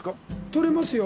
取れますよ。